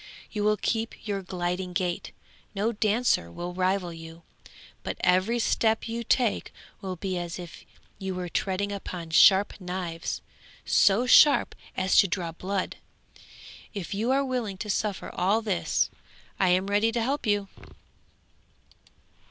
You will keep your gliding gait, no dancer will rival you, but every step you take will be as if you were treading upon sharp knives, so sharp as to draw blood. If you are willing to suffer all this I am ready to help you!'